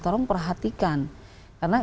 tolong perhatikan karena